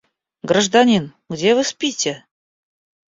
Гражданин, где вы спите?